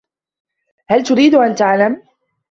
هل تريد أن تعلم؟